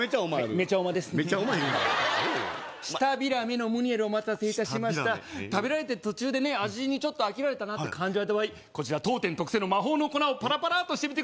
メチャオマ言うな舌平目のムニエルお待たせいたしました食べられてる途中で味にちょっと飽きられたなと感じられた場合こちら当店特製の魔法の粉をパラパラッとしてみてください